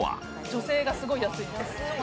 「女性がすごい安いんです」